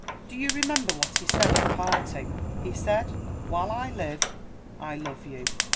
"Do you remember what he said at parting?" "He said, 'While I live, I love you.'"